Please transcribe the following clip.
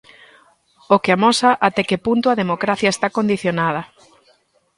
O que amosa até que punto a democracia está condicionada.